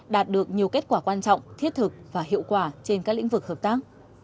đạt được nhiều kết quả quan trọng thiết thực và hiệu quả trên các lĩnh vực hợp tác